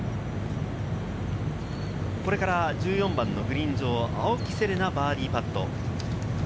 これから１４番のグリーン上は青木瀬令奈、バーディーパット。